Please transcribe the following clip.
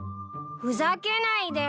ふざけないで！